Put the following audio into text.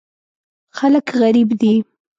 خلک غریب دي.